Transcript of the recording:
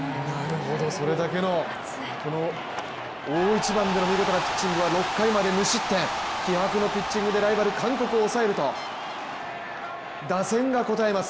これだけの大一番での見事なピッチングは６回まで無失点、気迫のピッチングでライバル韓国を抑えると打線が応えます。